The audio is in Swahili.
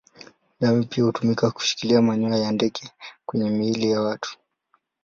Damu pia hutumika kushikilia manyoya ya ndege kwenye miili ya watu.